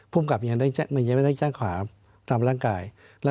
ผู้กลับยังหลังใจขวาทำร้างกาย